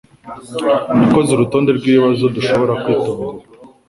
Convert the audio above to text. yakoze urutonde rwibibazo dushobora kwitondera.